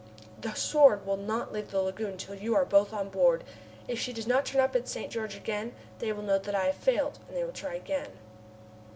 The Sword will not leave the lagoon till you are both on board. If she does not turn up at St. George again, they will know that I have failed and they will try again."